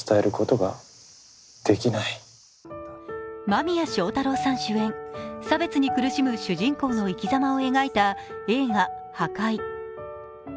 間宮祥太朗さん主演、差別に苦しむ主人公の生き様を描いた映画「破戒」。